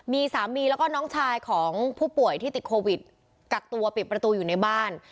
มีสามีแล้วก็น้องชายของผู้ป่วยที่ติดโควิดกักตัวปิดประตูอยู่ในบ้าน